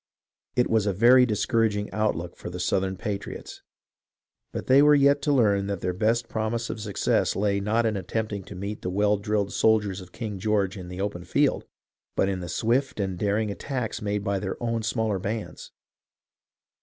It was a very discouraging outlook for the Southern patriots, but they were yet to learn that their best prom ise of success lay not in attempting to meet the well drilled soldiers of King George in the open field, but in the swift and daring attacks made by their own smaller bands.